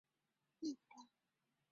发现只剩下六分钟